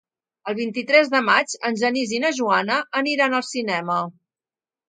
El vint-i-tres de maig en Genís i na Joana aniran al cinema.